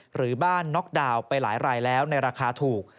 หรือบ้านน็อกดาวน์ไปหลายรายแล้วในราคาถูก